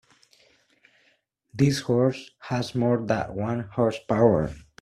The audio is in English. This horse has more than one horse power.